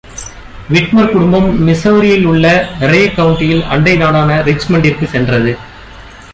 Whitmer குடும்பம் மிசௌரியிலுள்ள Ray கவுண்டியில் அண்டை நாடான ரிச்மண்டிற்கு சென்றது.